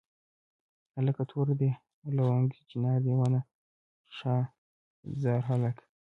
هلکه توره دې لونګۍ چنار دې ونه شاه زار هلکه.